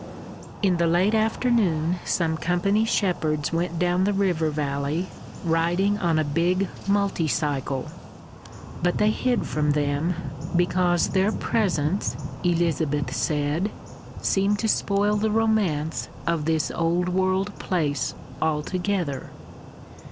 In the late afternoon some Company shepherds went down the river valley riding on a big multicycle; but they hid from them, because their presence, Elizabeth said, seemed to spoil the romance of this old world place altogether.